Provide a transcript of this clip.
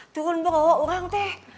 turun berawa orang teh